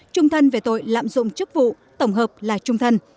trung thân về tội lạm dụng chức vụ tổng hợp là trung thân